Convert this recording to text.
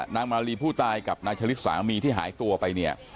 มาลีผู้ตายกับนายชะลิดสามีที่หายตัวไปเนี่ย